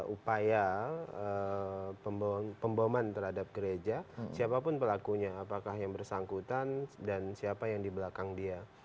upaya pemboman terhadap gereja siapapun pelakunya apakah yang bersangkutan dan siapa yang di belakang dia